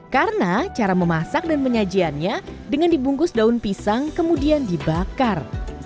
karena cara memasak dan penyajiannya dengan dibungkus daun pisang kemudian dibakar